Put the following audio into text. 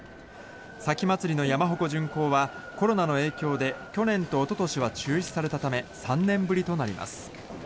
前祭の山鉾巡行はコロナの影響で去年とおととしは中止されたため３年ぶりとなります。